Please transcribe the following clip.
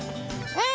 うん！